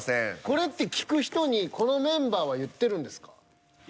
これって聞く人にこのメンバーは言ってるんですか？